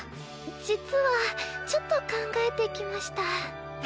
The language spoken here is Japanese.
実はちょっと考えてきました。